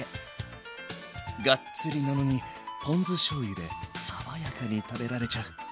がっつりなのにポン酢しょうゆで爽やかに食べられちゃう。